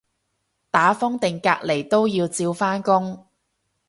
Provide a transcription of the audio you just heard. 打風定隔離都要照返工